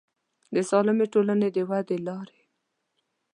د سالمې ټولنې د ودې لارې